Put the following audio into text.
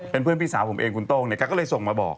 เป็นเพื่อนพี่สาวผมเองคุณโต๊งเลยส่งมาบอก